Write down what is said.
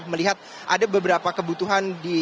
melihat ada beberapa kebutuhan